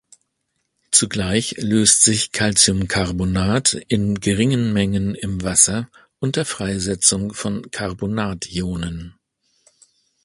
Zugleich löst sich Calciumcarbonat in geringen Mengen im Wasser unter Freisetzung von Carbonat-Ionen.